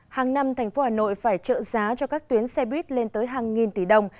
hàng năm thành phố hà nội phải trợ giá cho các tuyến xe buýt lên tới hàng nghìn tỷ đồng